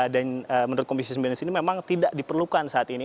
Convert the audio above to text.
dan menurut komisi sembilan ini memang tidak diperlukan saat ini